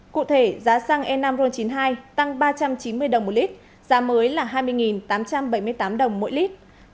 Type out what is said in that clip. cụ thể giá sản phẩm dầu hỏa giảm hai trăm chín mươi tám đồng một lít dầu ma rút giảm hai trăm bảy mươi năm đồng một kg